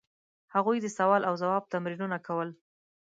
هغوی د سوال او ځواب تمرینونه کول.